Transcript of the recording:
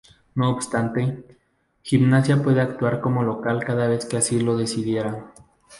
No obstante, Gimnasia puede actuar como local cada vez que así lo decidiera.